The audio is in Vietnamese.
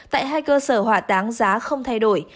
tại hai cơ sở hỏa táng giá không thay đổi